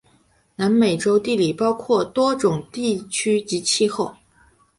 南美洲地理包括多种地区及气候。